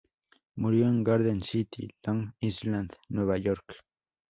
Murió en Garden City, Long Island, Nueva York.